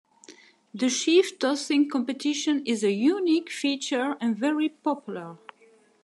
The Sheaf Tossing Competition is a unique feature and very popular.